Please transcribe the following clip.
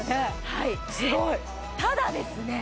はいすごいただですね